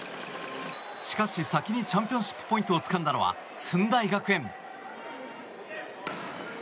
しかし、先にチャンピオンシップポイントをつかんだのは駿台学園。